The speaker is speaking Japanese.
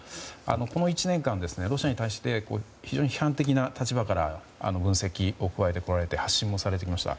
この１年間、ロシアに対して非常に批判的な立場から分析を加えてこられて発信もされてきました。